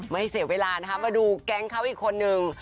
ไม่เสียเวลานะคะมาดูแก๊งเขาอีกคนนึง